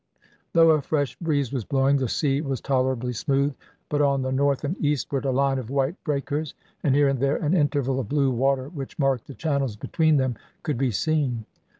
Though a fresh breeze was blowing, the sea was tolerably smooth, but on the north and eastward a line of white breakers, and here and there an interval of blue water which marked the channels between them could be seen.